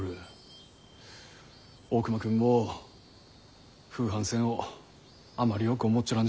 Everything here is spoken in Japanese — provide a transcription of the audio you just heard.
大隈君も風帆船をあまりよく思っちょらん